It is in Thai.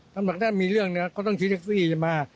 ตั้งแต่ถ้ามีเรื่องนี้เขาต้องชี้แท็กซี่มา